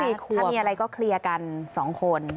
ลูก๔ขวบถ้ามีอะไรก็เคลียร์กัน๒คน